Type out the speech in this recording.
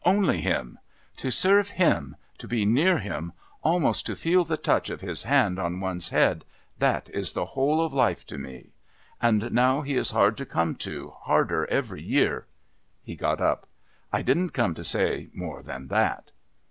Only Him! To serve Him, to be near Him, almost to feel the touch of His hand on one's head, that is the whole of life to me. And now He is hard to come to, harder every year...." He got up. "I didn't come to say more than that.